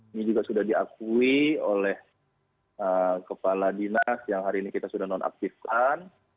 ini juga sudah diakui oleh kepala dinas yang hari ini kita sudah nonaktifkan